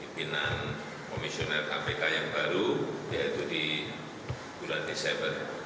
pimpinan komisioner kpk yang baru yaitu di bulan desember